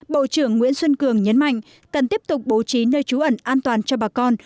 bộ trưởng nguyễn xuân cường nhấn mạnh cần tiếp tục bố trí nơi trú ẩn an toàn cho bà con